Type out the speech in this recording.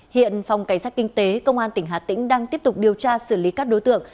hiện phòng cảnh sát kinh tế công an tỉnh hà tĩnh đang tiếp tục điều tra xử lý các đối tượng